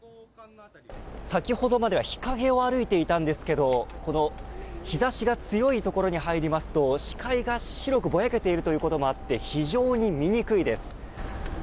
先ほどまでは日陰を歩いていたんですけれどこの日差しが強い所に入りますと視界が白くぼやけているということもあって非常に見にくいです。